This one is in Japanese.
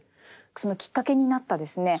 そのきっかけになったですね